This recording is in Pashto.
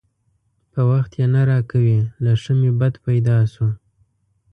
په وخت یې نه راکوي؛ له ښه مې بد پیدا شو.